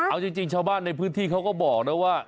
เอาจริงชาวบ้านในพื้นที่เขาก็บอกนะว่า